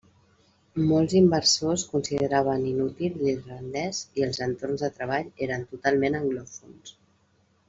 Molts inversors consideraven inútil l'irlandès i els entorns de treball eren totalment anglòfons.